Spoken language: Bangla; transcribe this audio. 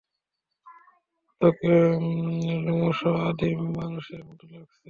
তোকে লোমশও আদিম মানুষের মত লাগছে?